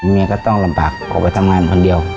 เมียก็ต้องลำบากออกไปทำงานคนเดียว